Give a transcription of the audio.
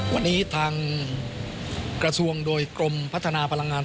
วันนี้ทางกระทรวงโดยกรมพัฒนาพลังงาน